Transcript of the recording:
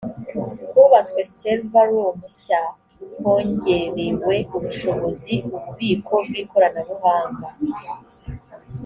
hubatswe server room nshya hongerewe ubushobozi ububiko bw ikoranabuhanga